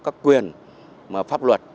các quyền mà pháp luật